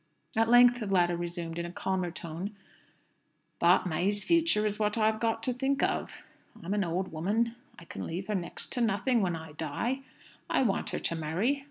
At length the latter resumed, in a calmer tone, "But May's future is what I've got to think of. I'm an old woman. I can leave her next to nothing when I die. I want her to marry.